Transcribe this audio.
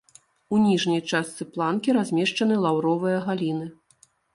У ніжняй частцы планкі размешчаны лаўровыя галіны.